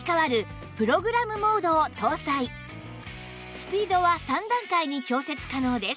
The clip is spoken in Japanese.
スピードは３段階に調節可能です